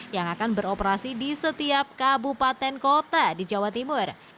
yang akan beroperasi di setiap kabupaten kota di jawa timur